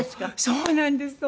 そうなんです。